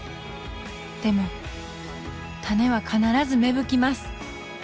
でも種は必ず芽吹きます。